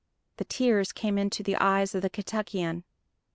The tears came into the eyes of the Kentuckian.